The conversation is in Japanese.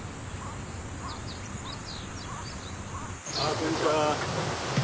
こんにちは。